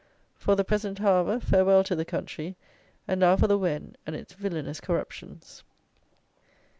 For the present, however, farewell to the country, and now for the Wen and its villanous corruptions.